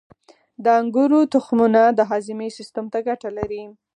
• د انګورو تخمونه د هاضمې سیستم ته ګټه لري.